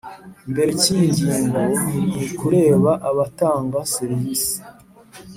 Mbere cy iyi ngingo ntikureba abatanga serivisi